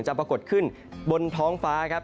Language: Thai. ปรากฏขึ้นบนท้องฟ้าครับ